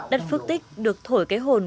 đất phước tích được thổi cái hồn